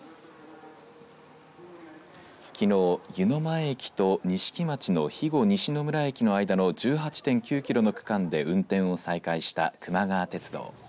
きのう、湯前駅と錦町の肥後西村駅の間の１８．９キロの区間で運転を再開した、くま川鉄道。